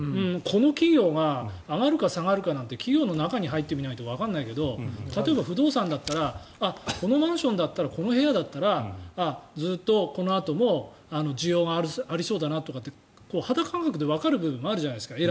この企業が上がるか下がるかなんて企業の中に入ってみないとわからないけど例えば、不動産だったらこのマンション、部屋だったらずっとこのあとも需要がありそうだなって肌感覚でわかる部分もあるじゃないですか。